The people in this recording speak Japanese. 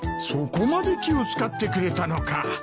そこまで気を使ってくれたのか。